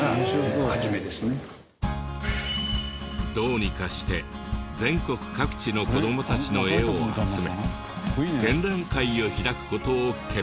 どうにかして全国各地の子どもたちの絵を集め展覧会を開く事を決意。